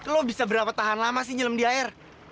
lu bisa berapa tahan lama sih nyelam di air